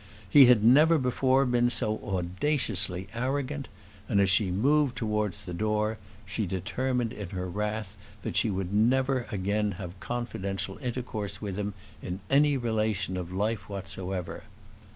He had never before been so audaciously arrogant; and, as she moved towards the door, she determined in her wrath that she would never again have confidential intercourse with him in any relation of life whatsoever.